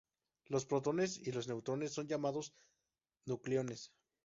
Los protones y los neutrones son llamados nucleones.